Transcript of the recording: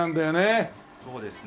そうですね。